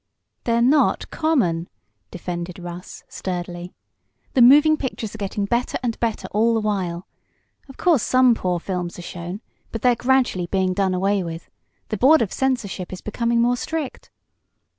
"They're not common!" defended Russ, sturdily. "The moving pictures are getting better and better all the while. Of course some poor films are shown, but they're gradually being done away with. The board of censorship is becoming more strict.